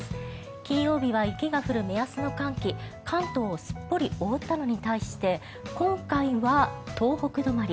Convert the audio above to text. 金曜日は雪が降る目安の寒気関東をすっぽり覆ったのに対し今回は東北止まり。